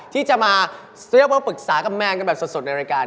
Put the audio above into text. ที่จะมาซื้อเบอร์ปรึกษากับแมนกันแบบสดในรายการ